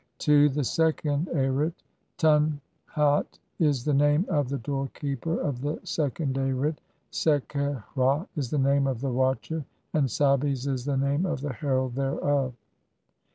II. "THE SECOND ARIT. Tun hat is the name of the door "keeper of the second Arit, Se qet hra is the name of the watcher, "and Sabes is the name of the herald thereof."